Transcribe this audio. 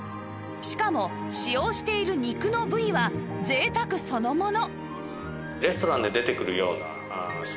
しかも使用している肉の部位は贅沢そのもの